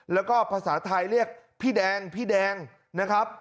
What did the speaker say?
แล้วก็ภาษาไทยเรียกพี่แดงพี่แดงนะครับ